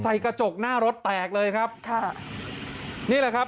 กระจกหน้ารถแตกเลยครับค่ะนี่แหละครับ